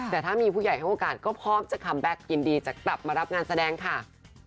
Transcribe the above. พี่ผู้ใหญ่ให้โอกาสก็พร้อมจะกลับมารับงานแสดงค่ะ